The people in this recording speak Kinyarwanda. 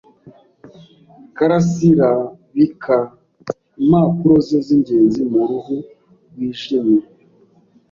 Karasiraabika impapuro ze zingenzi mu ruhu rwijimye.